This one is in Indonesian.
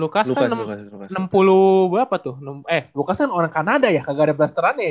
lucas kan enam puluh berapa tuh eh lucas kan orang kanada ya gak ada blasterannya